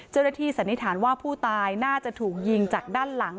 เจ้าหน้าที่สันนิษฐานว่าผู้ตายน่าจะถูกยิงจากด้านหลัง